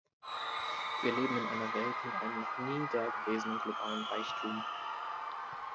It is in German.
Wir leben in einer Welt mit einem noch nie da gewesenen globalen Reichtum.